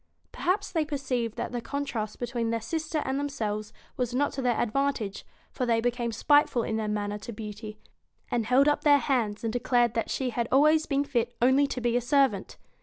Perhaps they perceived that the contrast between their sister and themselves was not to their advan tage, for they became spiteful in their manner to Beauty, and held up their hands and declared that she had always been fit only to be a servant.